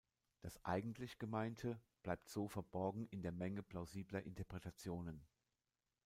Das eigentlich Gemeinte bleibt so verborgen in der Menge plausibler Interpretationen.